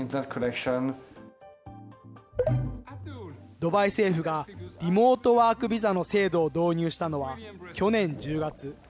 ドバイ政府が、リモートワークビザの制度を導入したのは、去年１０月。